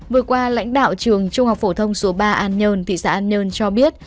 vừa qua lãnh đạo trường trung học phổ thông số ba an nhơn thị xã an nhơn cho biết